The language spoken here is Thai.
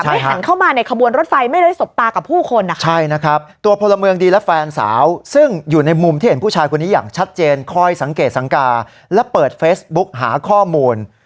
ที่หันเข้ามาในขบวนรถไฟไม่ได้สบตากับผู้คนนะคะใช่นะครับตัวพลเมืองดีและแฟนสาวซึ่งอยู่ในมุมที่เห็นผู้ชายคนนี้อย่างชัดเจนคอยสังเกตสังกาและเปิดเฟซบุ๊กหาข้อมูล